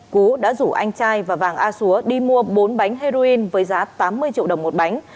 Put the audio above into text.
cú đã rủ anh trai và vàng a xúa đi mua bốn bánh heroin với giá tám mươi triệu đồng một bánh